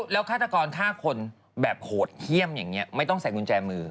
แล้วฆาตกรฆ่าคนแบบโหดเยี่ยมอย่างนี้ไม่ต้องใส่กุญแจมือ